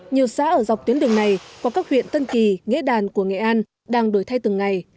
nhiều xã ở dọc tuyến đường này qua các huyện tân kỳ nghệ đàn của nghệ an đang đổi thay từng ngày